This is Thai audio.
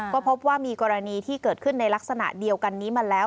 ก็พบว่ามีกรณีที่เกิดขึ้นในลักษณะเดียวกันนี้มาแล้ว